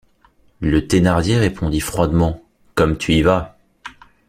Le Thénardier répondit froidement: — Comme tu y vas!